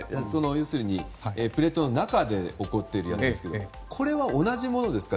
要するにプレートの中で起こっているやつですけどもこれは、同じものですか。